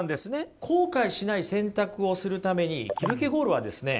後悔しない選択をするためにキルケゴールはですね